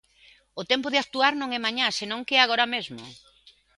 O tempo de actuar non é mañá senón que é agora mesmo.